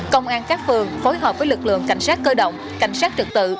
công an các phường phối hợp với lực lượng cảnh sát cơ động cảnh sát trực tự